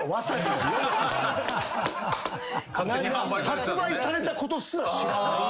発売されたことすら知らない。